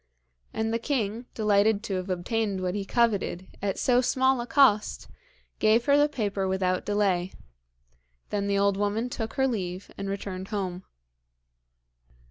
And the king, delighted to have obtained what he coveted at so small a cost, gave her the paper without delay. Then the old woman took her leave and returned home.